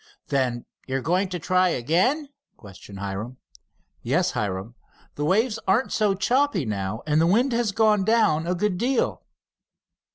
"Then you are going to try again?" questioned Hiram. "Yes, Hiram. The waves aren't so choppy now, and the wind has gone down a good deal."